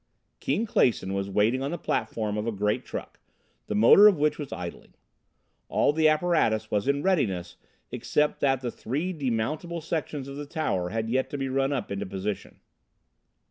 Keane Clason was waiting on the platform of a giant truck, the motor of which was idling. All the apparatus was in readiness except that the three demountable sections of the tower had yet to be run up into position.